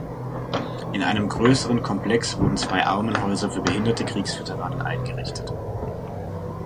In einem größeren Komplex wurden zwei Armenhäuser für behinderte Kriegsveteranen eingerichtet.